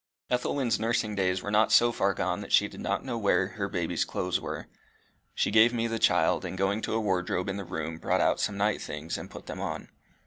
Ethelwyn's nursing days were not so far gone by that she did not know where her baby's clothes were. She gave me the child, and going to a wardrobe in the room brought out some night things, and put them on.